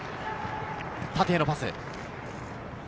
縦へのパス。